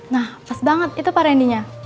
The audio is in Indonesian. nah pas banget itu pak randy nya